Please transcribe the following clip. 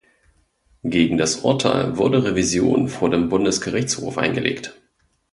Gegen das Urteil wurde Revision vor dem Bundesgerichtshof eingelegt.